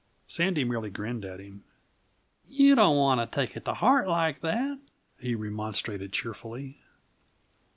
Sandy merely grinned at him. "You don't want to take it to heart like that," he remonstrated cheerfully.